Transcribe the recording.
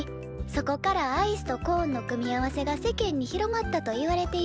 そこからアイスとコーンの組み合わせが世間に広まったといわれています」